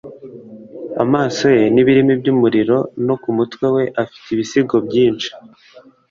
Amaso ye ni ibirimi by’umuriro no ku mutwe we afite ibisingo byinshi,